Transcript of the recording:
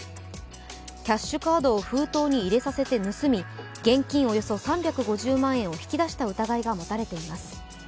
キャッシュカードを封筒に入れさせて盗み、現金およそ３５０万を引き出した疑いが持たれています。